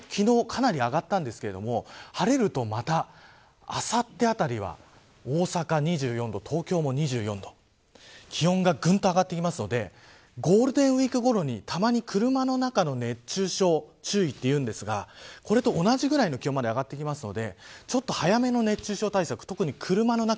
気温も昨日かなり上がりましたが晴れると、またあさってあたりは大阪２４度、東京も２４度気温がぐんと上がってくるのでゴールデンウイークごろにたまに、車の中の熱中症注意と言いますが、これと同じくらいの気温まで上がるので早めの熱中症対策、特に車の中。